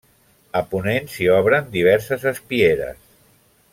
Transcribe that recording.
A ponent s'hi obren diverses espieres.